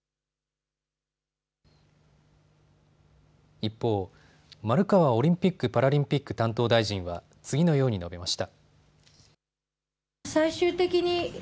一方、丸川オリンピック・パラリンピック担当大臣は次のように述べました。